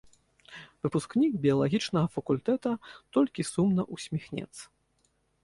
Выпускнік біялагічнага факультэта толькі сумна ўсміхнецца.